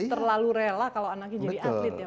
belum terlalu rela kalau anaknya jadi atlet ya pak